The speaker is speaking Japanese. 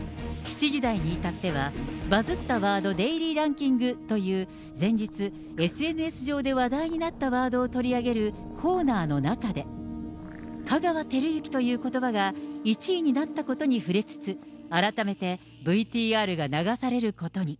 ７時台に至っては、バズったワードデイリーランキングという、前日、ＳＮＳ上で話題になったワードを取り上げるコーナーの中で、香川照之ということばが１位になったことに触れつつ、改めてＶＴＲが流されることに。